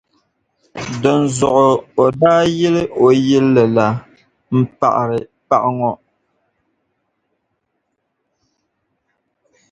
Dinzuɣu o daa yili o yilli la, m-paɣiri paɣa ŋɔ.